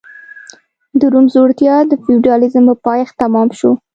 د روم ځوړتیا د فیوډالېزم په پایښت تمام شو.